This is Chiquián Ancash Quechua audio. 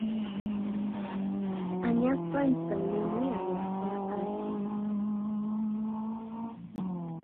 Añaspa ishpayninmi allaapa asyan.